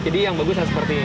jadi yang bagusnya seperti ini